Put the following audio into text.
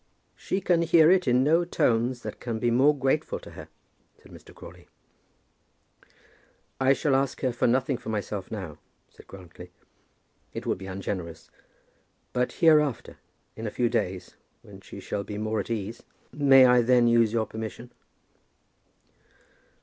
"She can hear it in no tones that can be more grateful to her," said Mr. Crawley. "I shall ask her for nothing for myself now," said Grantly. "It would be ungenerous. But hereafter, in a few days, when she shall be more at ease, may I then use your permission